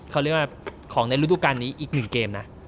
เขาเรียกว่าของในฤดูการนี้อีกหนึ่งเกมนะ